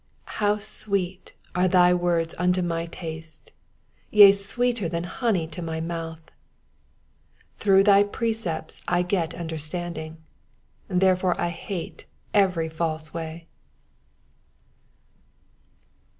103 How sweet are thy words unto my taste ! yea, sweeter than honey to my mouth ! 104 Through thy precepts I get understanding : therefore I hate every false way.